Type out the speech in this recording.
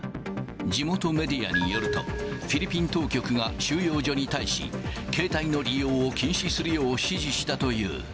地元メディアによると、フィリピン当局が収容所に対し、携帯の利用を禁止するよう指示したという。